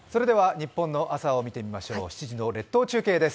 日本の朝を見てみましょう７時の列島中継です。